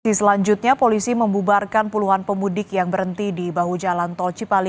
di selanjutnya polisi membubarkan puluhan pemudik yang berhenti di bahu jalan tol cipali